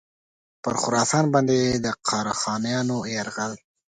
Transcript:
پر خراسان باندي د قره خانیانو یرغل.